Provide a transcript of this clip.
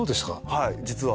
はい実は。